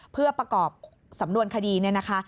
เพื่อประกอบสำนวนคดีเนี่ยนะคะ